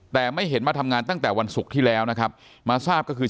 แต่ไม่เห็นมาทำงานตั้งแต่วันศุกร์ที่แล้วนะครับมาทราบก็คือ